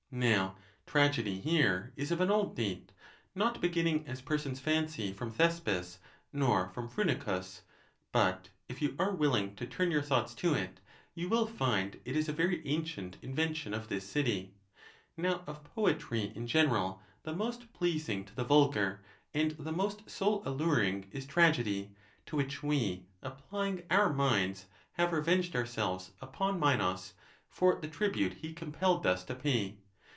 Now tragedy here is of an old date, not beginning as persons fancy from Thespis, nor from Phrynichus; but, if you are willing toturn your thoughts to it, you will find it is a very ancient invention of this city. [17.| Now, of poetry (in general), the most pleasing to the vulgar and the most soul alluring is tragedy; to which we, applying our minds,? have revenged ourselves upon Minos, for the tribute he com pelled us to pay.